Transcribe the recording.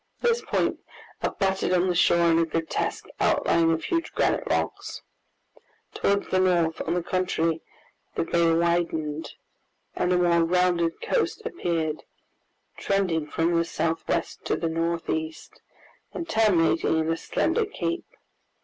This point abutted on the shore in a grotesque outline of high granite rocks. Towards the north, on the contrary, the bay widened, and a more rounded coast appeared, trending from the southwest to the northeast, and terminating in a slender cape.